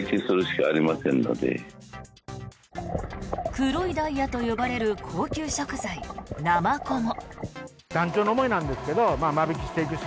黒いダイヤと呼ばれる高級食材ナマコも。